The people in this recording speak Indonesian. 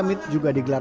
kiek sule pemanah